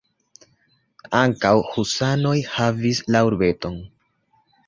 Ankaŭ husanoj havis la urbeton.